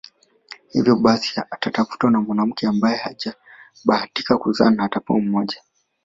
Hivyo basi atatafutwa mwanamke ambaye hajabahatika kuzaa na atapewa mmoja